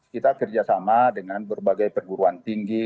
kita kerjasama dengan berbagai perguruan tinggi